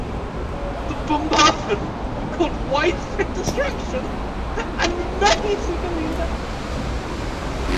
The bombardment caused widespread destruction and many civilian deaths.